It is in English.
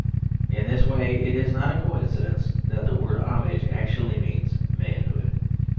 In this way it is not a coincidence that the word homage actu ally means manhood.